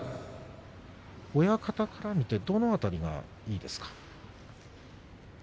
親方から見てどの辺りがいいですか？